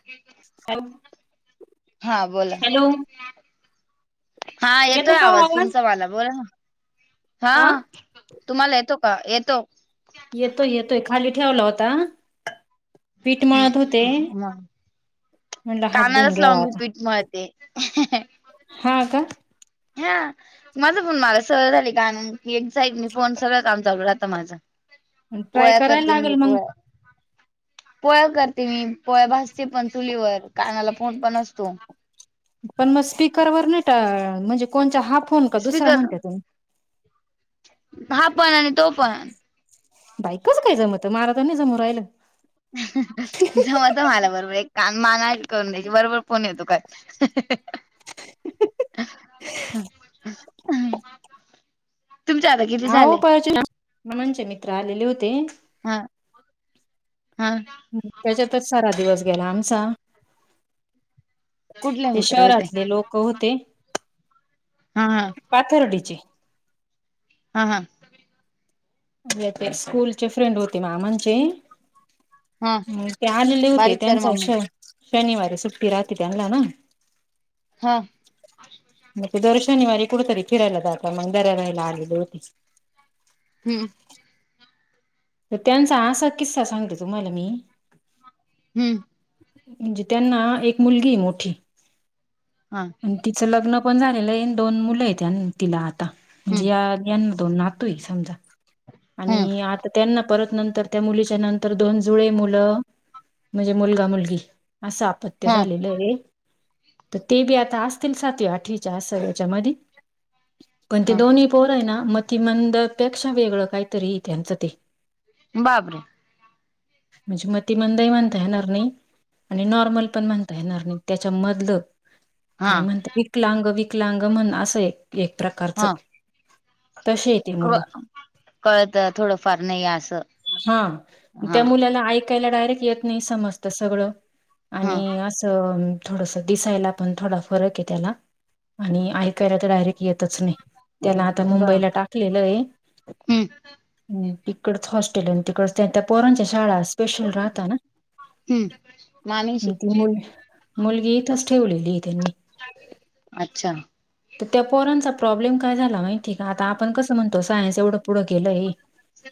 ह [unintelligible] ह बोला हॅलो हा येतो येतोय का आवाज तुमचा वाला बोला ना हा तुम्हाला येतो का येतो येतोय येतोय खाली ठेवला होता पीठ मळत होते हम्म म्हणलं हात धुवून कानालाच घ्यावा लाऊन आता पीठ मळते हा का हा माझं फण माला सहळ झाली काण एझट मी फोन सगळं काम चालू राहतं माझं ट्राय पोळ्या करायला करते मी लागेल मग पोळ्या पोळ्या करते मी पोळ्या भाजते पण चुलीवर कानाला फोन पण असतो पण मग स्पीकरवर नाही म्हणजे कोणच्या हाफ स्पीकर हा पण आणि तो पण बाईकच काय जमत मारा जांनी जमो राहिलं जमत मला बरोबर एक कान माना करून द्यायची बरोबर फोन येतो काय ह [unintelligible] हा पा [unintelligible] नमांचे मित्र आलेले होते हा हा त्याच्यातच सारा दिवस गेला आमचा कुठले ते मित्र होते शहरातले लोक होते हा हा पाथरडीची हा हां ते स्कूलचे फ्रेंड होते मामांचे हा हम् ते आलेले होते बारीक कर त्यांचा मम्मी श शनिवारी सुट्टी राहती त्यांनला ना हां मग ते दर शनिवारी कुठतरी फिरायला जाता मग दर्यारयला आलेली होती हम् तर त्यांचा असा किस्सा सांगते तुम्हाला मी हम्म म्हणजे त्यांना एक मुलगी मोठी हा आणि तिचं लग्न पण झालेले आहे दोन मुलं आहेत तिला आता म्हणजे हम्म या यांना दोन नातू आहे समजा हम्म आणि आता त्यांना परत नंतर त्या मुलीच्या नंतर दोन जुळे मुलं म्हणजे मुलगा मुलगी असं आपत्य हा झालेलं आहे तर ते बी आता असतील सातवी आठवीच्या असं याच्या मधी पण ते हा दोन्ही पोर आहे ना मतिमंदपेक्षा वेगळं काहीतरी त्यांचं ते बापरे म्हणजे मति मंदही मानता येणार नाही आणि नॉर्मल पण म्हणता येणार नाही त्याच्या मधलं हा काय म्हणत विकलांग विकलांग म्हण असं ए एक प्रकारच हा तसे येत मुलं क कळत थोडं फार नाही असं हा त्या हा मुलाला ऐकायला डायरेक्ट येत नाही समजत सगळं हा आणि अस थोडस दिसायला पण थोडा फरक आहे त्याला आणि ऐकायला तर डायरेक्ट येतच नाही त्याला आता ब मुंबईला टाकलेलं आहे हम्म तिकडच हॉस्टेल आहे तिकडच त्या त्या पोरांच्या शाळा अस स्पेशल राहता ना हम्म मामीशी त्यामुळे मुलगी इथच ठेवलेलीय त्यांनी अच्छा तर त्या पोरांचा प्रॉब्लेम काय झाला माहिती आहे का आता आपण कसं म्हणतो सायन्स एवढं पुढं गेलय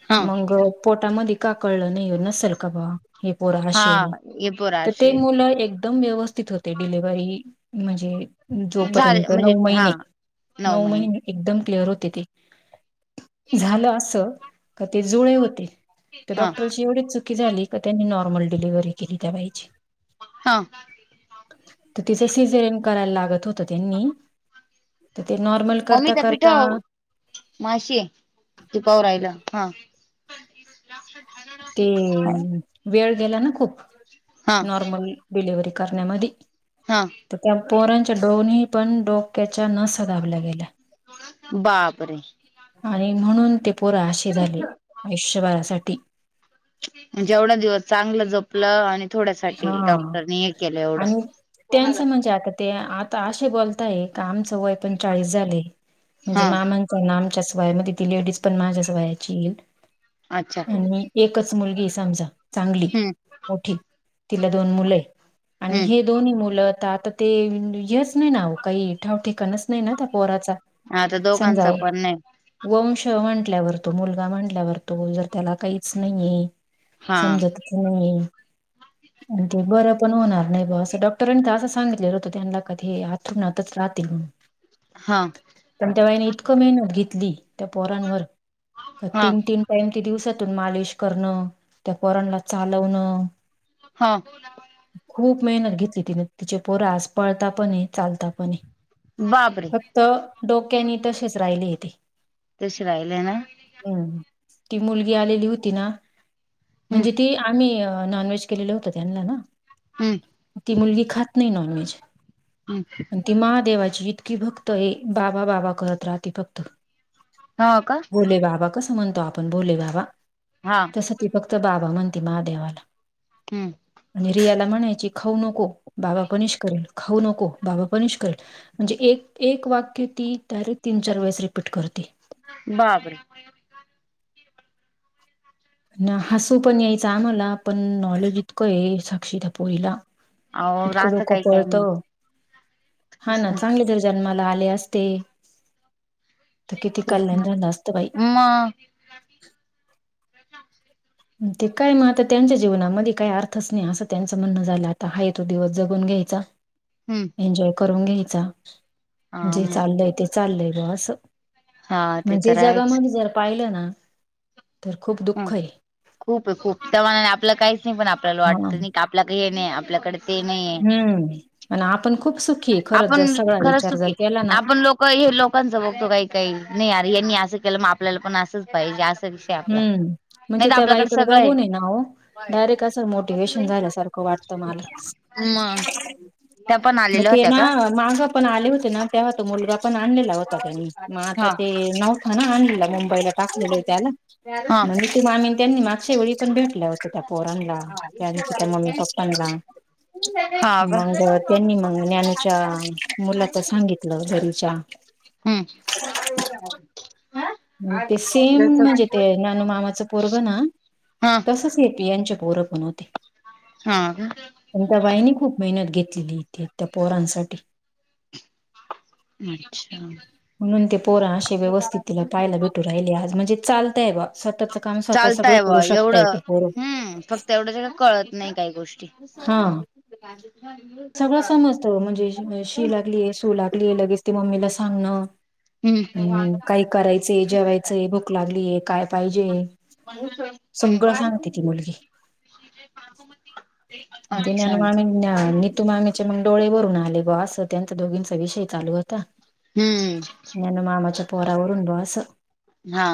हा मगं पोटामध्ये का कळलं नाही नसेल का बाबा हे पोर हा अशीय हे पोर तर ते अशे मुलं एकदम व्यवस्थित होत ते डिलेव्ही म्हणजे झाले जोपर्यंत म्हणजे नऊ हा महिने नऊ महिने एकदम क्लिअर होते ते झालं असं का ते जुळे होते तर हा डॉक्टरची एवढीच चुकी झाली का त्यांनी नॉर्मल डिलिव्हरी केली त्या बायची हां तर तिचं सीझरियन करायला लागत होतं त्यांनी तर ते नॉर्मल मम्मी करता त्या करता पिठाव माशी तुकावर रायला हा लक्ष झा ते वेळ गेला ना खूप हा नॉर्मल डिलिव्हरी करण्यामध्ये हा तर त्या पोरांच्या डोनीही पण डोक्याच्या नसा दाबल्या गेल्या बापरे आणि म्हणून ते पोरा अे झाले आयुष्यभरासाठी म्हजेवढा दिवस चांगलं जप आपलं आणि थोड्यासाठी हा डॉक्टरनी हे केलं आणि एवढंणा त्यांचं म्हणजे आता ते आता असे बोलताय का आम सवय पोण चाळीस झाले म्हणजे हा माम नाम चसवाय मध्ये ती लेडीज पण माझ चसवायची येई अच्छा आणि एकच मुलगी आहे समजा चांगली हम्म मोठी तिला दोन मुलं आहे आणि हे हम्म दोन्ही मुलं तर आता ते यच नाही ना काही ठाव ठिकाणच नाही ना पोराचा हाता समजा दोघांचा पण नाही वंश म्हटल्यावर तो मुलगा म्हटल्यावर तो जर त्याला काहीच नाहीये हा समजतच नाही आणि ते बरं पण होणार नाही बा असं डॉक्टरांनी तर असं सांगितलेलं होतं त्यांना की हे आथरुणच राहतील हा पण त्या बाईने इतकं मेहनत घेतली, त्या पोरांवर हा तीन - तीन टाम ते दिवसातून मालिश करणं, त्या पोराणला चालवणं, हा. खूप मेहनत घेतली तिने, तिचे पोरास पळता पण, चालता पण बापरे! फक्त डोक्यानी तशेच राहिले येते. तसे राहिले ना. हम्! ती मुलगी आलेली होती ना, हम्म म्हणजे ती आम्ही नॉनव्हेज केलं होत त्यांना ना, हम्म ती मुलगी खात नाही नॉनव्हेज. अच्छा! ती महादेवाची इतकी फक्त ए बाबा बाबा करत राहते फक्त हा का. भोले बाबा! कसं म्हणतो आपण भोले बाबा! हा. तसं ती फक्त बाबा म्हणते महादेवाला. हम्म! आणि रियाला म्हणायची खाऊ नको बाबा पनिश करेल, खाऊ नको बाबा पनिश करेल, म्हणजे एक एक वाक्य ती तर तीन चार वेळेस रिपीट करते‌. बाप रे! न हसू पण यायचं आम्हाला पण नॉलेज इतकं आहे. साक्षीद पोरीला अहो इतकं राहत लोकं काही काही पळत नाही हा ना चांगली तरी जन्माला आले असते, तर किती कल्याण झालं असत बाई. म ते काय मग आता त्यांच्या जीवनामध्ये काही अर्थच नाही, असं त्यांचं म्हणणं झालं आता आहे तो दिवस जगून घ्यायचा. [inaudible] हम्म! एन्जॉय करून घ्यायचा. हा जे मग चाललंय ते चाललय ग असं. हा ते म्हणजे तर जगा म आहेच जर पाहिलं ना, तर खूप ह दुःख आहे. खूप खूप त्यामानाने आपलं काहीच नाही, पण आपल्याला हा वाटतं नाही आपल्या काही हे नाही आपल्याकडे ते नाहीये. हम्म! म आपण खूप सुख आपण खरं सुकी आपण लोक हे लोकांच बघतो काही काही नाही यारे यांनी असं केलं, मग आपल्याला पण असंच पाहिजे अस. हम्म! म्हणजे त्या बाईकडे सगळं आहे जगूने ना हो डायरेक्ट असं मोटिवेशन झाल्यासारखं वाटत मला मग त्या पण मग आलेल्या ते होत्या‌. ना माघ पण आले होते ना, तेव्हा तर मुलगा पण आणलेला होता त्यानी मग आता हा ते नव्ह ह ना आणलेलं मुंबईला टाकलेलं आहे त्याला हा म्हणजे ते मामी त्यांनी मागच्या वेळी पण भेटल्या होत, त्या पोरणला त्या त्या मम्मी पप्पा पन्ना हा का मग त्यांनी मग ज्ञानूच्या मुलाच सांगितलं घरीच्या हम्म! हा ते सेम म्हणजे ते ज्ञानू मामाचं पोरग ना, तसंच हे ह्यांचे पोर. कोण ते? हा. त्यां त्या बाईनी खूप मेहनत घेतलेली इथे त्या पोरांसाठी. अच्छा म्हणून ते पोरा असे व्यवस्थित तिला पाहायला भेटू राहिले. राहिले आज म्हणजे चालतय बा स्वतःच काम स्वतः सगळं चालतय करू शकता ते पोर. तेवढं जेवं कळत नाही काही गोष्टी. हा सगळं समजत म्हणजे शी लागली सु लाग ल लगेच ती मम्मीला सांगणं. हम्म, काही करायचं जेवायचंय भूक लागलीय काय पाहिजे. म्हणजे सगळं सांगते ती मुलगी त ते विनन मामी नीतू मामी मग डोळे भरून आले ग असं त्यांचा दोघींचा विषय चालू होता हम्म न्यानू मामाच्या पोरावर उण बुवा आस हा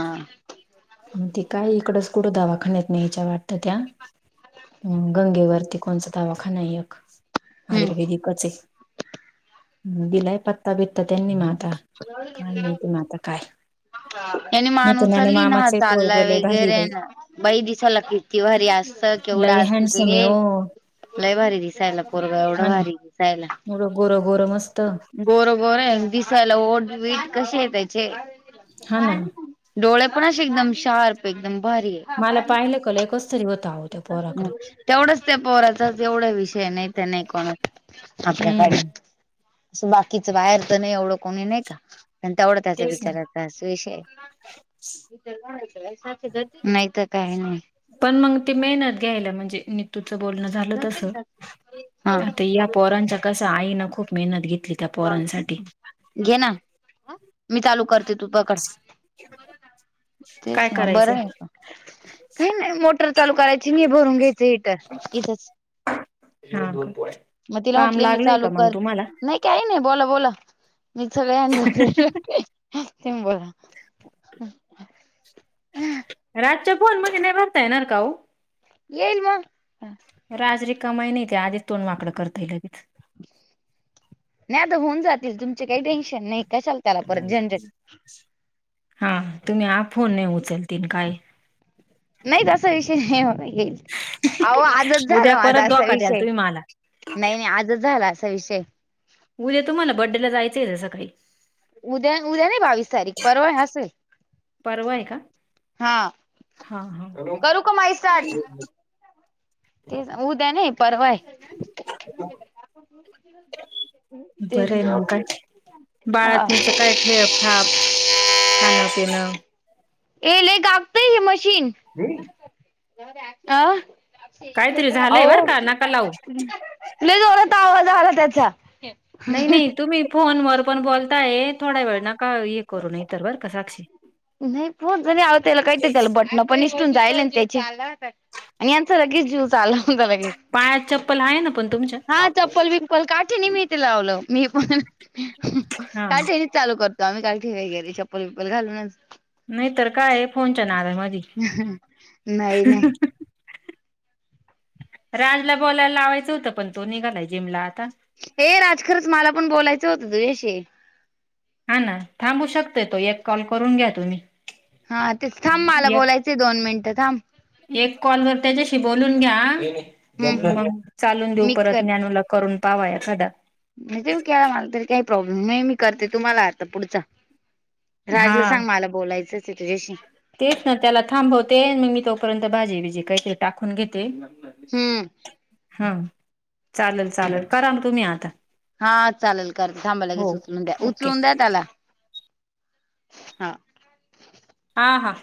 मग ते काय इकडच कुठ दवाखान्यात नाही याच्या वाटत त्या गंगे कोणचा दावावाखाना आहे एक हम्म आयुर्वेदी कच आहे दिलाय पत्ता बेतता त्यां मग आत काय माहिती आहे म आता काय त्यानी नाही माणू तर उचलली ना हा मामाच पोरग चाललाय लय भारी वगैरे बाई ना बाई दिसाला की तिवारी हासत केवढं लय हसत हँडसम ते आहे ओ लय भारी दिसायला पोरगं एवढं भारी दिसायला मुढं गोर गोर मस्त गोर गोर आहे दिसायला ओठ बीठ कसे आहे त्याचे हा ना डोळे पण असे एकदम शार्प एकदम भारी आहे मला पाहिलं कलंय कस तरी होत आहो त्या ह पोराकडं तेवढाच त्या पोराचा एवढा विषय नाहीत नाही कोणा आपल्याकडे हम्म असं बाकीच बाहेर तर नाही एवढं कोणी नाही का आणि तेवढा त्याचा तेच ना विचाराचा विषय नाही तर काही नाही पण मग ते मेहनत घ्यायला म्हणजे नीतूचं बोलणं झालं तसं हा आता या पोरांच्या कस आईनं खूप मेहनत घेतली त्या पोरांसाठी घे ना मी चालू करते तू पकड तेच काय मग बरं आहे करायचं का काही नाही मोटर चालू करायची मी भरून घ्यायची सट हम् मग तिला म्हटले मी चालू कर तुम्हाला नाही काही नाही बोला बोला मी सगळे ते बोला रातच्या फोन मध्ये नाही भरता येणार का हो येईल मग राज रीकामाई नाही ते आधी तोंड वाकडं करतय लगेच नाही आता होऊन जातील तुमचे काही टेन्शन नाही कशाला त्याला परत झंझट हा तुम्ही ह फोन नाही उचलतील काय नाही तसा विषय नाही म्ह येईल अह आजच उद्या झाला माझा परत असा धोका द्याल विषय तुम्ही मला नाही नाही आजच झाला असा विषय उद्या तुम्हाला बड्डे ला जायचंय सकाळी उद्या उद्या नाही बावीस तारीख परवाय हस परवा आहे का हा हा हा करू का माई सार्ट ते उऊद्या ना परवाय बरं आहे मग काय हा बाळातच काय ठेप ठाप खाणं पिणं ये ल कागतय ह मशीन ह हा काहीतरी झालंय हो बर का नका लावू त जोलाता आवाज आला त्याचा नाही नाही तुम्ही फोनवरर पण बोलताय थोड्या वेळ नका हे करू न इ तरर बर का साक्षी पणष्टून जाईल त्या आणि आचा लगेच ज आला आता लगेच पाया चप्पल आहे ना पण तुमच्या ल काठी निमती लावल मी पण हा काल ठेणीच चालू करतो आम्ही काही ठेवा गेरीप्पल विपल घालूनच नाही तरर काय फोनच्या नाार मधी नाही नाही राजला बोलायला लावायचं होतं पण तो निघालाय जिमला आता. हे राज खरंच मला पण बोलायचं होतं तुझ्याशी हा ना थांबू शकते तो एक कॉल करून घ्या तुम्ही हा तेच थांब मला एक बोलायचे दन मिनटं थांब एक कॉलवर त्याच्याशी बोलून घ्या हम्म मग चालून देऊ मी परत ज्ञानलक्ष करून पावा एखादा म्हण तेे केला मला तरी काही प्रॉब्लेम म मी करते तुम्हाला अर्थ पुढचा हा राजला सांग मला बोलायचंच आहे तुझ्याशी तेच ना त्याला थांबवते मग मी तोपर्यंत भाजी बिजी काही ते टाकून घेते हम्म हम चालेल चालेल करा ना तुम्ही आता हा चालेल कर हो थांबालागेच उचलून द्या ओके उचलून द्या त्याला हा हा हा